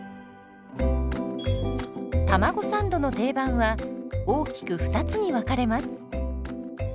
たまごサンドの定番は大きく２つに分かれます。